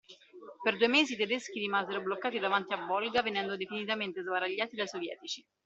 Per due mesi i tedeschi rimasero bloccati davanti al Volga venendo definitivamente sbaragliati dai sovietici.